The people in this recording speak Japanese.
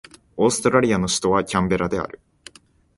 オーストラリアの首都はキャンベラである